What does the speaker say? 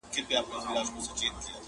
د ساړه ژمي شپې ظالمي توري.!